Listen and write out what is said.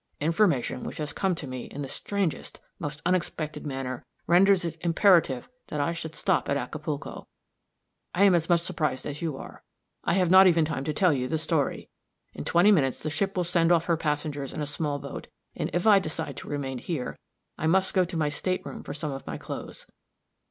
Information, which has come to me in the strangest, most unexpected manner, renders it imperative that I should stop at Acapulco. I am as much surprised as you are. I have not even time to tell you the story; in twenty minutes the ship will begin to send off her passengers in a small boat; and if I decide to remain here, I must go to my state room for some of my clothes."